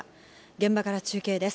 現場から中継です。